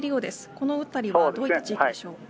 このあたりはどういったことでしょうか。